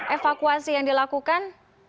evakuasi yang dilakukan